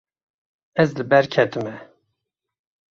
Ez li ber ketime.